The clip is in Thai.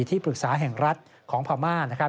ที่ปรึกษาแห่งรัฐของพม่า